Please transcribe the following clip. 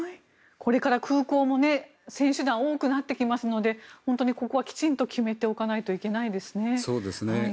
これから空港も選手団が多くなってきますので本当にここはきちんと決めておかなければいけませんね。